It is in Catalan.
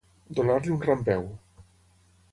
Donar-li un rampeu.